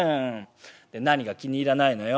で何が気に入らないのよ」。